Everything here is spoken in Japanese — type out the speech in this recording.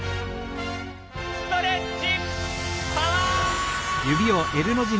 ストレッチパワー！